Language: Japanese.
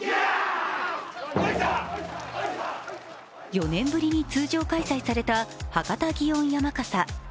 ４年ぶりに通常開催された博多祇園山笠。